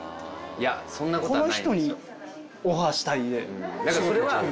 いやそんなことはないですよ。